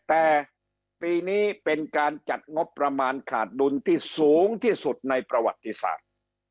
แต่ปีนี้เป็นการจัดงบประมาณขาดดุลที่สูงที่สุดในประวัติศาสตร์